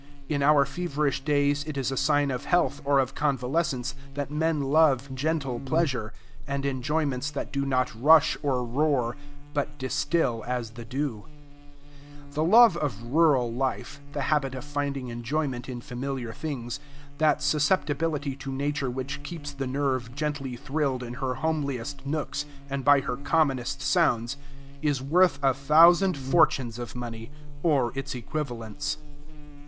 In our feverish days it is a sign of health or of convalescence that men love gentle pleasure, and enjoyments that do not rush or roar, but distill as the dew. The love of rural life, the habit of finding enjoyment in familiar things, that susceptibility to Nature which keeps the nerve gently thrilled in her homliest nooks and by her commonest sounds, is worth a thousand fortunes of money, or its equivalents.